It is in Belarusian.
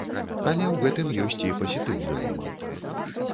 Але ў гэтым ёсць і пазітыўны момант.